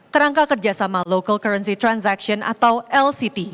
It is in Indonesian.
kerangka kerjasama local currency transaction atau lct